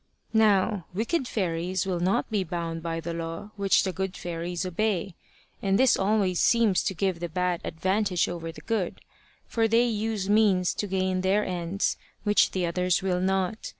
Now wicked fairies will not be bound by the law which the good fairies obey, and this always seems to give the bad the advantage over the good, for they use means to gain their ends which the others will not.